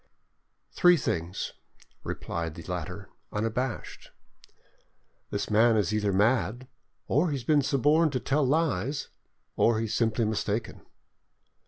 "Three things," replied the latter, unabashed, "this man is either mad, or he has been suborned to tell lies, or he is simply mistaken."